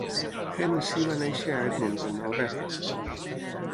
Hennessy va néixer a Edmonton, Alberta.